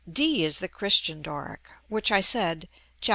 d is the Christian Doric, which I said (Chap.